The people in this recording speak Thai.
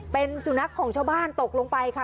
เป็นสุนัขของชาวบ้านตกลงไปค่ะ